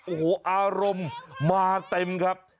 โอ้โหอารมณ์มาเต็มครับ